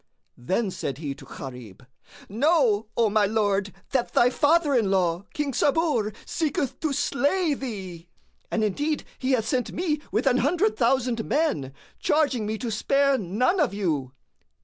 Then said he to Gharib, "Know, O my lord, that thy father in law, King Sabur, seeketh to slay thee; and indeed he hath sent me with an hundred thousand men, charging me to spare none of you."